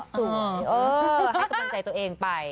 ให้กำลังใจตัวเองไป